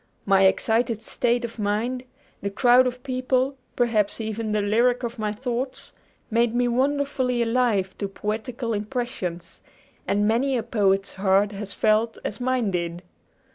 My excited state of mind, the crowd of people, perhaps even the lyric of my thoughts, made me wonderfully alive to poetical impressions; and many a poet's heart has felt as mine did!